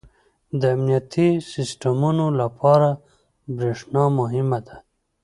• د امنیتي سیسټمونو لپاره برېښنا مهمه ده.